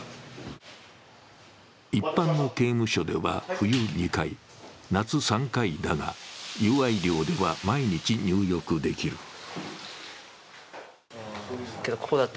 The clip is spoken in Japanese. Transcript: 一般の刑務所では冬２回、夏３回だが友愛寮では毎日入浴できる。